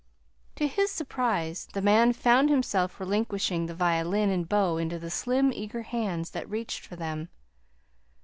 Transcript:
To his surprise, the man found himself relinquishing the violin and bow into the slim, eager hands that reached for them.